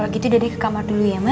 kalo gitu dede ke kamar dulu ya ma